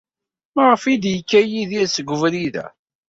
Maɣef ay yekka Yidir seg ubrid-a?